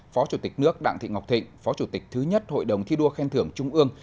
phó chủ tịch nước đặng thị ngọc thịnh phó chủ tịch thứ nhất hội đồng thi đua khen thưởng trung ương